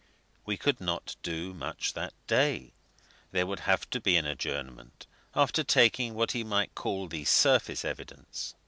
We could not do much that day; there would have to be an adjournment, after taking what he might call the surface evidence.